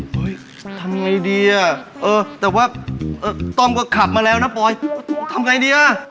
ทำไงดีอ่ะเออแต่ว่าต้อมก็ขับมาแล้วนะปลอยทำไงดีอ่ะ